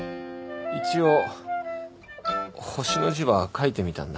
一応「星」の字は書いてみたんだ。